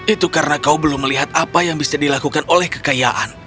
itu karena kau belum melihat apa yang bisa dilakukan oleh kekayaan